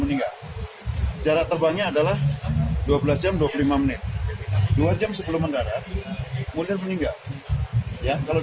meninggal jarak terbangnya adalah dua belas jam dua puluh lima menit dua jam sebelum mendarat mulia meninggal ya kalau